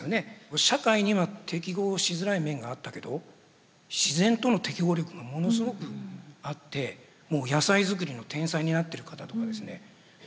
社会には適合しづらい面があったけど自然との適合力がものすごくあってもう野菜作りの天才になってる方とかですね。